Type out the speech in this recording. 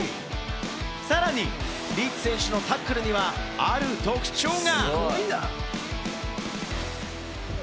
さらにリーチ選手のタックルにはある特徴が。